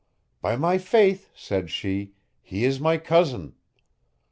By my faith, said she, he is my cousin.